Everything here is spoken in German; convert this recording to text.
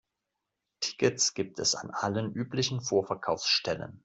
Tickets gibt es an allen üblichen Vorverkaufsstellen.